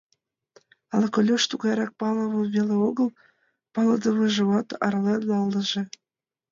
Ала Колюш тугайрак: палымым веле огыл, палыдымыжымат арален налнеже?..